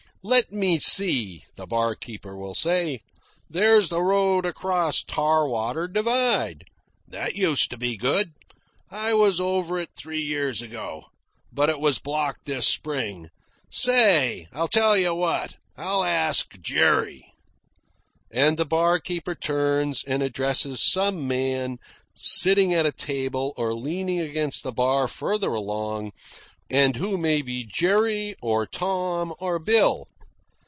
"Let me see," the barkeeper will say, "there's the road across Tarwater Divide. That used to be good. I was over it three years ago. But it was blocked this spring. Say, I'll tell you what. I'll ask Jerry " And the barkeeper turns and addresses some man sitting at a table or leaning against the bar farther along, and who may be Jerry, or Tom, or Bill.